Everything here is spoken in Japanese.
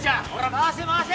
回せ回せ。